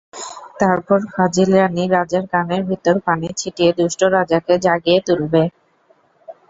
তারপর ফাজিল রানি রাজার কানের ভেতর পানি ছিটিয়ে দুষ্ট রাজাকে জাগিয়ে তুলবে।